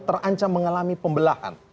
terancam mengalami pembelahan